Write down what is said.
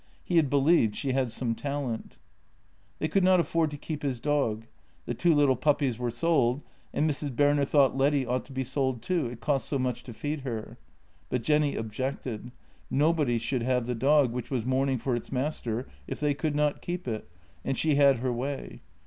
He had believed she had some talent. They could not afford to keep his dog. The two little pup pies were sold, and Mrs. Berner thought Leddy ought to be sold too — it cost so much to feed her. But Jenny objected; nobody should have the dog, which was mourning for its mas ter, if they could not keep it, and she had her way.